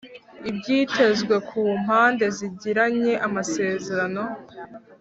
ibyitezwe ku mpande zigiranye amasezerano